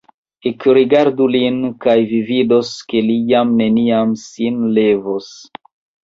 Ekrigardu lin, kaj vi vidos, ke li jam neniam sin levos.